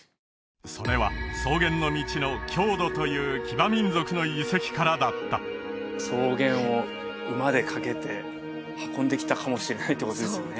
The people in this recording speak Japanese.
それは草原の道の匈奴という騎馬民族の遺跡からだった草原を馬で駆けて運んできたかもしれないってことですよね